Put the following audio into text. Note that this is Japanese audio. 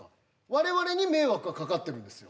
我々に迷惑がかかってるんですよ